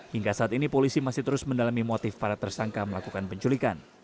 hingga saat ini polisi masih terus mendalami motif para tersangka melakukan penculikan